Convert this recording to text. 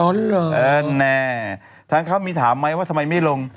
เออแน่ทางเขามีถามไหมว่าทำไมไม่ลง